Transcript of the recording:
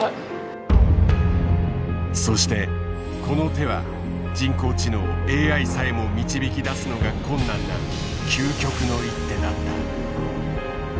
そしてこの手は人工知能ＡＩさえも導き出すのが困難な究極の一手だった。